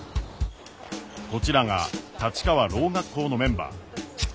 こちらが立川ろう学校のメンバー。